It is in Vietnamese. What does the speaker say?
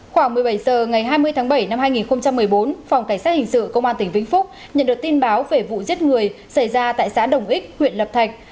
khoảng một mươi bảy h ngày hai mươi tháng bảy năm hai nghìn một mươi bốn phòng cảnh sát hình sự công an tỉnh vĩnh phúc nhận được tin báo về vụ giết người xảy ra tại xã đồng ích huyện lập thạch